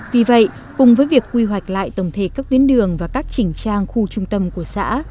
vì vậy cùng với việc quy hoạch lại tổng thể các tuyến đường và các chỉnh trang khu trung tâm của xã